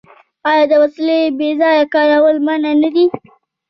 آیا د وسلې بې ځایه کارول منع نه دي؟